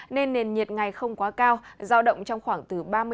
nên nền nhiệt ngày không quá cao giao động trong khoảng từ ba mươi năm